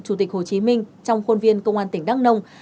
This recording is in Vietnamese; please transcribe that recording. chủ tịch hồ chí minh trong khuôn viên công an tỉnh đắk nông